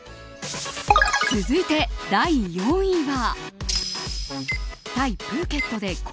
続いて第４位は。